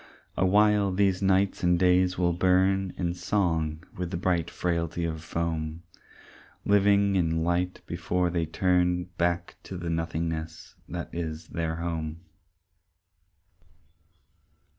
A while these nights and days will burn In song with the bright frailty of foam, Living in light before they turn Back to the nothingness that is their home.